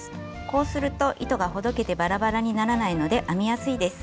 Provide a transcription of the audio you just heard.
こうすると糸がほどけてバラバラにならないので編みやすいです。